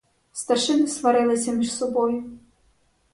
Старшини сварилися між собою.